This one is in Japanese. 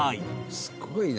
「すごいね。